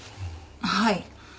はい。